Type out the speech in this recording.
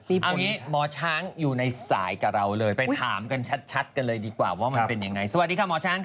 เอางี้หมอช้างอยู่ในสายกับเราเลยไปถามกันชัดกันเลยดีกว่าว่ามันเป็นยังไงสวัสดีค่ะหมอช้างค่ะ